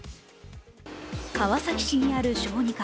川崎市にある小児科。